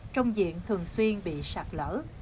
trong diện thường xuyên bị sạch lỡ